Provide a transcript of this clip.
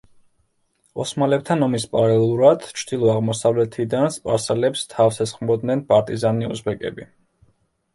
ოსმალებთან ომის პარალელურად, ჩრდილო-აღმოსავლეთიდან სპარსელებს თავს ესხმოდნენ პარტიზანი უზბეკები.